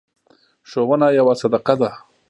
ښوونه یوه صدقه ده.